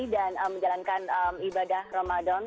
dan menjalankan ibadah ramadan